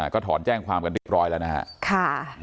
ก็ถอนแจ้งความกันเรียบร้อยแล้วนะครับ